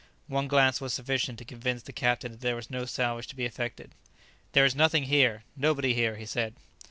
One glance was sufficient to convince the captain that there was no salvage to be effected. "There is nothing here; nobody here," he said.